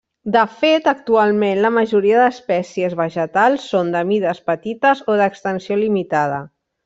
De fet, actualment, la majoria d'espècies vegetals són de mides petites o d'extensió limitada.